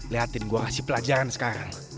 liatin gua kasih pelajaran sekarang